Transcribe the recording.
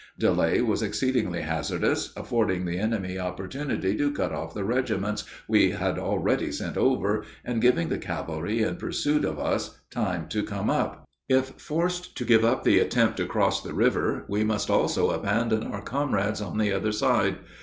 Delay was exceedingly hazardous, affording the enemy opportunity to cut off the regiments we had already sent over, and giving the cavalry in pursuit of us time to come up. If forced to give up the attempt to cross the river, we must also abandon our comrades on the other side.